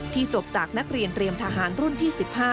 จบจากนักเรียนเตรียมทหารรุ่นที่๑๕